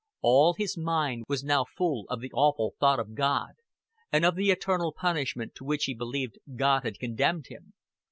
All his mind was now full of the awful thought of God, and of the eternal punishment to which he believed God had condemned him.